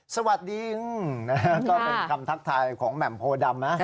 สวัสดีก็เป็นคำทักทายของแหม่มโพดำนะ